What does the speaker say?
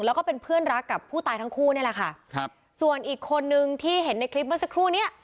แล้วก็เป็นเพื่อนรักกับผู้ตายทั้งคู่นี่แหละค่ะครับส่วนอีกคนนึงที่เห็นในคลิปเมื่อสักครู่เนี้ย